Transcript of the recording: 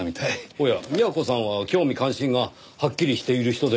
おや美和子さんは興味関心がはっきりしている人ではないですか？